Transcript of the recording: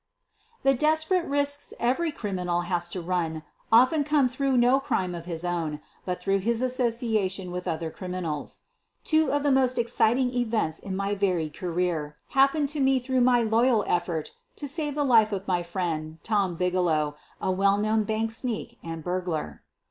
f The desperate risks every criminal has to run often come through no crime of his own, but through his association with other criminals. Two of the most exciting events in my varied career hap 13S SOPHIE LYONS pened to me through my loyal effort to save the life of my friend, Tom Bigelow, a well known bank sneak and burglar.